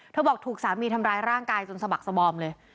บอกถูกสามีทำร้ายร่างกายจนสะบักสบอมเลย